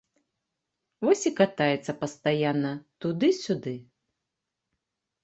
Вось і катаецца пастаянна туды-сюды.